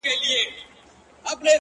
ويني ته مه څښه اوبه وڅښه،